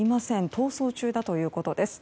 逃走中だということです。